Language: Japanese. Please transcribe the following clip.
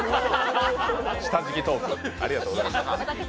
下敷きトーク、ありがとうございます。